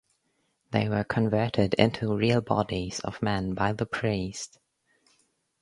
They were converted into the real bodies of men by the priest.